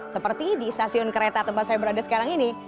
seperti di stasiun kereta tempat saya berada sekarang ini